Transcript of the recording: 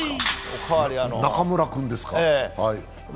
中村君ですか。